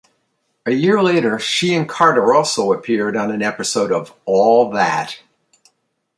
A year later, she and Carter also appeared on an episode of "All That".